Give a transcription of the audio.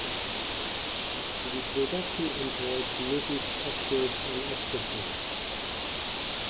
The production employed native actors and actresses.